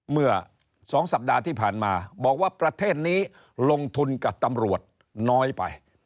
เมื่อ๒สัปดาห์ที่ผ่านมาบอกว่าประเทศนี้ลงทุนกับตำรวจน้อยไป